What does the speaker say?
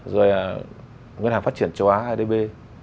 rồi là nguyên hàng phát triển chủ nghĩa